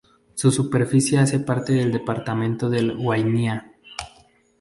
Su superficie hace parte del departamento del Guainía.